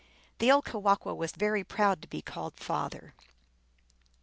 The old Kewahqu was very proud to be called father.